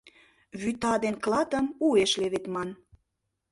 Вӱта ден клатым уэш леведман.